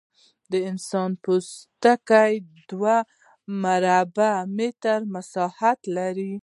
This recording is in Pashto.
د انسان پوست شاوخوا دوه مربع متره مساحت لري.